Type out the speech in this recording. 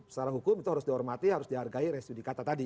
secara hukum itu harus dihormati harus dihargai restudi kata tadi